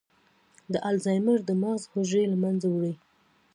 د الزایمر د مغز حجرې له منځه وړي.